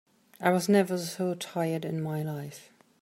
I was never so tired in my life.